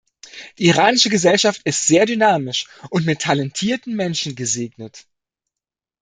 Die iranische Gesellschaft ist sehr dynamisch und mit talentierten Menschen gesegnet.